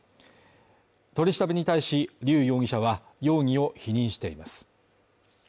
取り調べに対し劉容疑者は容疑を否認しています。